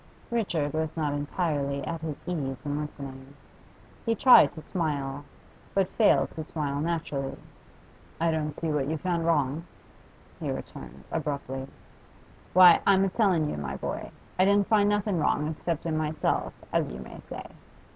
Richard was not entirely at his ease in listening. He tried to smile, but failed to smile naturally. 'I don't see what you found wrong,' he returned, abruptly. 'Why, I'm a tellin' you, my boy, I didn't find nothing wrong except in myself, as you may say.